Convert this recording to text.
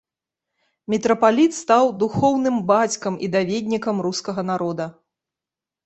Мітрапаліт стаў духоўным бацькам і даведнікам рускага народа.